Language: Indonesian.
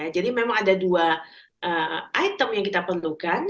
jadi memang ada dua item yang kita perlukan